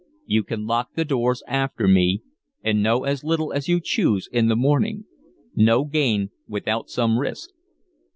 "You can lock the doors after me, and know as little as you choose in the morning. No gain without some risk."